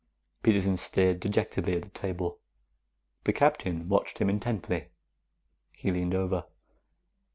Peterson stared dejectedly at the table. The Captain watched him intently. He leaned over.